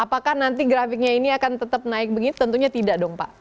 apakah nanti grafiknya ini akan tetap naik begitu tentunya tidak dong pak